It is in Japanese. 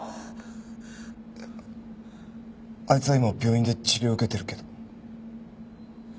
あいつは今病院で治療を受けてるけど。